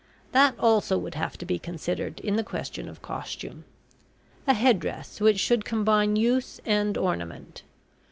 That also would have to be considered in the question of costume a head dress which should combine use and ornament.